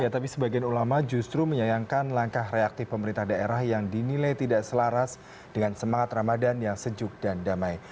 tapi sebagian ulama justru menyayangkan langkah reaktif pemerintah daerah yang dinilai tidak selaras dengan semangat ramadan yang sejuk dan damai